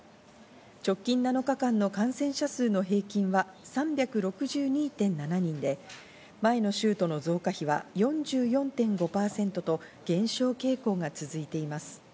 直近７日間の感染者数の平均は３６２．７人で、前の週との増加比は４４．５％と、減少傾向が続いています。